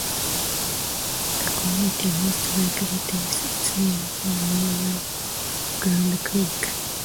The community most likely takes its name from nearby Granada Creek.